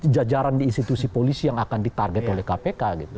jajaran di institusi polisi yang akan ditarget oleh kpk gitu